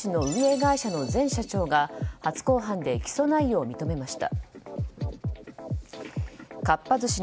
会社の前社長が、初公判で起訴内容を認めました。